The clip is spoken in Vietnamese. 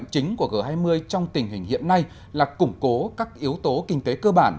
chính của g hai mươi trong tình hình hiện nay là củng cố các yếu tố kinh tế cơ bản